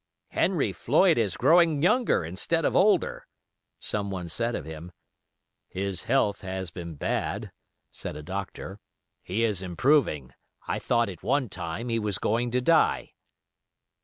"Henry Floyd is growing younger, instead of older," someone said of him. "His health has been bad," said a doctor. "He is improving. I thought at one time he was going to die."